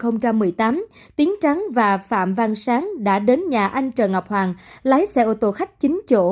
năm hai nghìn một mươi tám tiến trắng và phạm văn sáng đã đến nhà anh trần ngọc hoàng lái xe ô tô khách chín chỗ